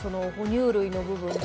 哺乳類の部分と？